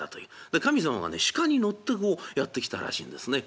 で神様がね鹿に乗ってこうやって来たらしいんですね。